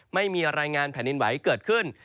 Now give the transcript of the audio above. ไม่มีรายงานแผ่นดินไหวเกิดขึ้น